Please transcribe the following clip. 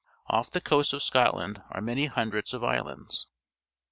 Off the coasts of Scotland are many hundreds of islands.